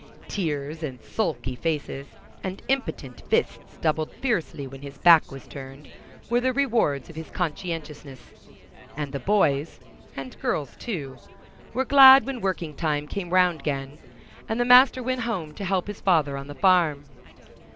Tears and sulky faces, and impotent fists doubled fiercely when his back was turned, were the rewards of his conscientiousness; and the boys—and girls too—were glad when working time came round again, and the master went home to help his father on the farm.